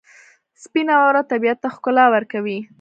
سپینه واوره طبیعت ته ښکلا ورکوي.